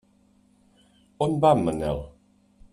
On va en Manel?